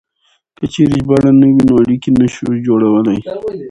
که چېرې ژباړه نه وي نو اړيکې نه شو جوړولای.